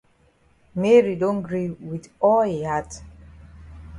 Mary don gree wit all yi heart.